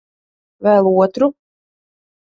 Vēl otru?